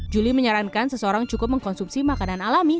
julie menyarankan seseorang cukup mengkonsumsi makanan alami